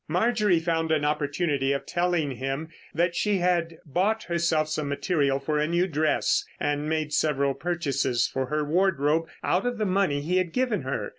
Marjorie found an opportunity of telling him that she had bought herself some material for a new dress, and made several purchases for her wardrobe out of the money he had given her.